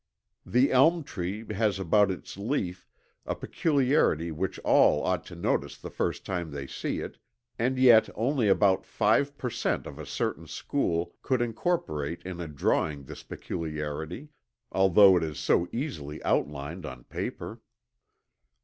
The elm tree has about its leaf a peculiarity which all ought to notice the first time they see it, and yet only about five per cent of a certain school could incorporate in a drawing this peculiarity, although it is so easily outlined on paper.